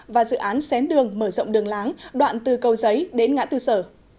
và dự án xén đường mở rộng đường láng đoạn từ cầu giấy đến ngã tư sở